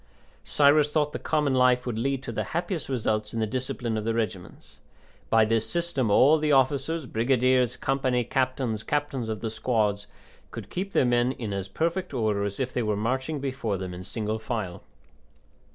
Cyrus thought the common life would lead to the happiest results in the discipline of the regiments. By this system all the officers brigadiers, company captains, captains of the squads could keep their men in as perfect order as if they were marching before them in single file.